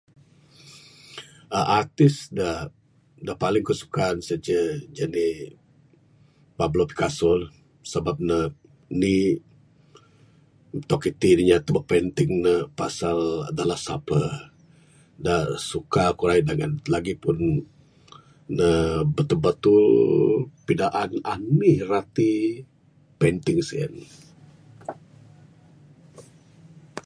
uhh Artis da, da paling kuk suka sen ceh, janik Pablo Pakaso sebab ne, indi, tok iti' inya tebuk printing ne pasal The Last Supper. Da suka kuk rayu dangan. Lagi pun ne batul-batul pidaan anih rati painting sien.